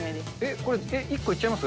これ、１個いっちゃいます？